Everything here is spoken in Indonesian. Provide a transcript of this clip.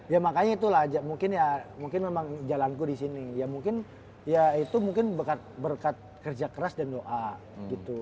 ya makanya itulah mungkin ya memang jalanku disini ya mungkin ya itu mungkin berkat kerja keras dan doa gitu